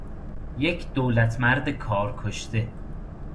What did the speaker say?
یک دولتمرد کار کشته